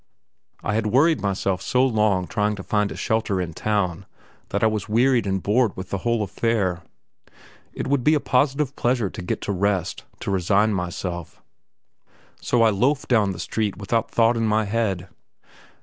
I had worried myself so long trying to find a shelter in town that I was wearied and bored with the whole affair. It would be a positive pleasure to get to rest, to resign myself; so I loaf down the street without thought in my head.